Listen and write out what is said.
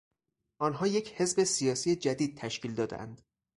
آنها یک حزب سیاسی جدید تشکیل دادهاند.